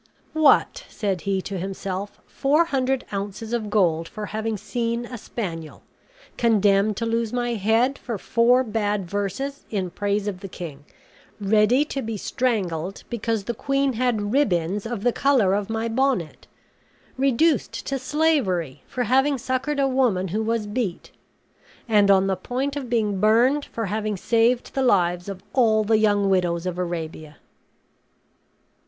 "What," said he to himself, "four hundred ounces of gold for having seen a spaniel! condemned to lose my head for four bad verses in praise of the king! ready to be strangled because the queen had shoes of the color of my bonnet! reduced to slavery for having succored a woman who was beat! and on the point of being burned for having saved the lives of all the young widows of Arabia!"